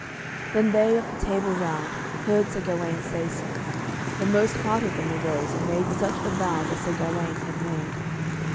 When they of the Table Round heard Sir Gawaine say so, the most part of them arose, and made such avows as Sir Gawaine had made.